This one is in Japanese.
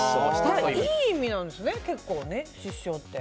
いい意味なんですね、失笑って。